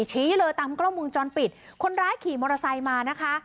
ชี้เลยตามกล้องมุมจรปิดคนร้ายขี่มอเตอร์ไซค์มานะคะ